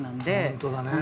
本当だね。